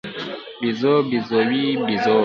بیزو، بیزووې، بیزوو